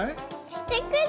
してくる。